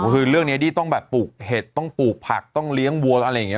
คือเรื่องนี้ที่ต้องแบบปลูกเห็ดต้องปลูกผักต้องเลี้ยงวัวอะไรอย่างนี้